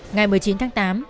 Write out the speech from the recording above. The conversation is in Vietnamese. ngày một mươi chín tháng tám